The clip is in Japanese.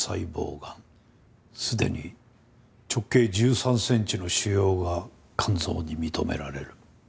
すでに直径１３センチの腫瘍が肝臓に認められる。